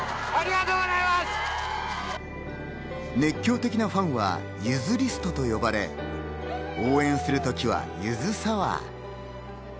熱狂的なファンはユヅリストと呼ばれ、応援する時はゆずサワー。